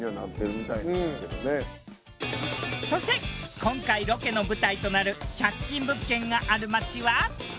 そして今回ロケの舞台となる１００均物件がある町は？